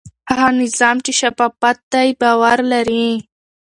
هغه نظام چې شفاف دی باور لري.